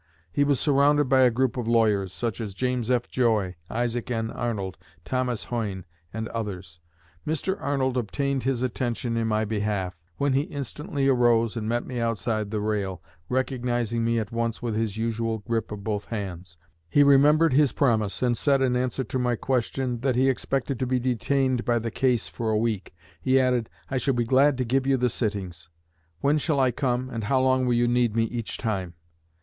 He was surrounded by a group of lawyers, such as James F. Joy, Isaac N. Arnold, Thomas Hoyne, and others. Mr. Arnold obtained his attention in my behalf, when he instantly arose and met me outside the rail, recognizing me at once with his usual grip of both hands. He remembered his promise, and said, in answer to my question, that he expected to be detained by the case for a week. He added: 'I shall be glad to give you the sittings. When shall I come, and how long will you need me each time?'